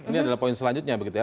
ini adalah poin selanjutnya begitu ya